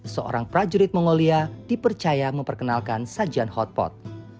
seorang prajurit mongolia dipercaya memperkenalkan sajian hotpot